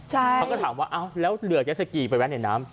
เขาก็ถามว่าแล้วเหลือยสกีไปแวะในน้ำ